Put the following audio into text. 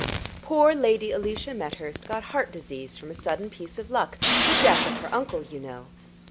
"Poor Lady Alicia Methurst got heart disease from a sudden piece of luck the death of her uncle, you know.